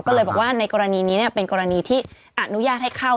ก็เลยบอกว่าในกรณีนี้เป็นกรณีที่อนุญาตให้เข้า